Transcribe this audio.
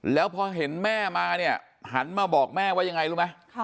แล้วพอเห็นแม่มาเนี่ยหันมาบอกแม่ว่ายังไงรู้ไหม